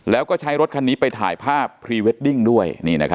แล้วก็ใช้รถคันนี้ไปถ่ายภาพพรีเวดดิ้งด้วย